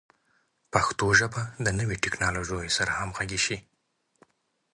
پښتو ژبه د نویو ټکنالوژیو سره همغږي شي.